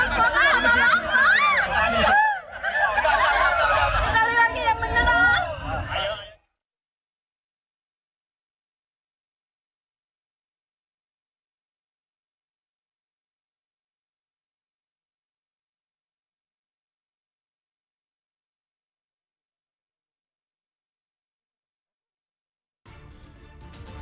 gak ada apa apa